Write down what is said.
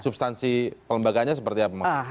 substansi pelembagaannya seperti apa maksudnya